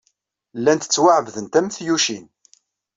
Llant ttwaɛebdent am tyucin.